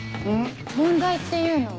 問題っていうのは。